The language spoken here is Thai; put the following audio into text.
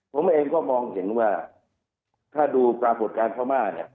ผมเองก็มองเห็นว่าถ้าดูปรากฏการณ์พม่าเนี่ย